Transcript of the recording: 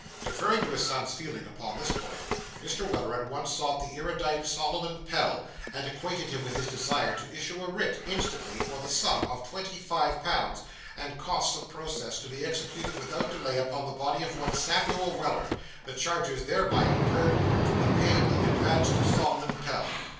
Deferring to his son's feeling upon this point, Mr. Weller at once sought the erudite Solomon Pell, and acquainted him with his desire to issue a writ, instantly, for the _sum _of twenty five pounds, and costs of process; to be executed without delay upon the body of one Samuel Weller; the charges thereby incurred, to be paid in advance to Solomon Pell.